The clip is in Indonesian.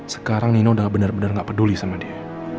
sekarang nino udah bener bener gak peduli sama dia